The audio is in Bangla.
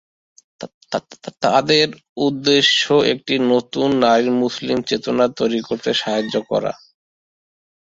তাদের উদ্দেশ্য একটি নতুন নারী মুসলিম চেতনা তৈরি করতে সাহায্য করা।